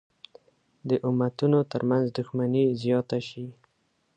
د امتونو تر منځ دښمني زیاته شي.